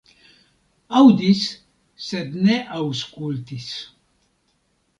Aŭdis, sed ne aŭskultis.